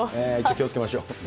気をつけましょう。